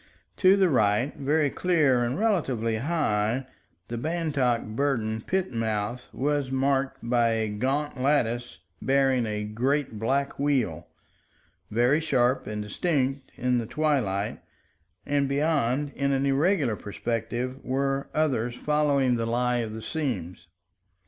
To the right, very clear and relatively high, the Bantock Burden pit mouth was marked by a gaunt lattice bearing a great black wheel, very sharp and distinct in the twilight, and beyond, in an irregular perspective, were others following the lie of the seams.